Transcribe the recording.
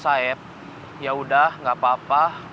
sama bos saeb yaudah gak apa apa